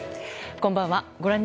こんばんは。